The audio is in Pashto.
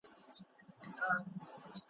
اورېدونکی او لوستونکی باید لومړی پوه سي `